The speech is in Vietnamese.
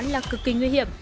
là cực kỳ nguy hiểm